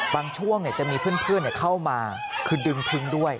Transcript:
ช่วงจะมีเพื่อนเข้ามาคือดึงทิ้งด้วย